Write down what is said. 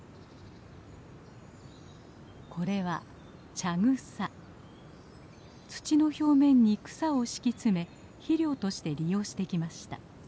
これは土の表面に草を敷き詰め肥料として利用してきました。